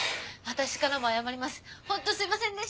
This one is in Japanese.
私からも謝ります